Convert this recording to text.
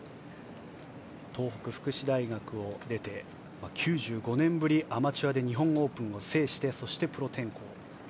東北福祉大学を出て９５年ぶりにアマチュアで日本オープンを制してプロ転向。